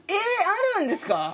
あるんですか？